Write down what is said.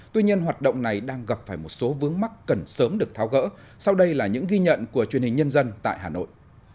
tuy nhiên hoạt động này đang gặp phải một số vướng mắt cần sớm được tháo gỡ sau đây là những ghi nhận của truyền hình nhân dân tại hà nội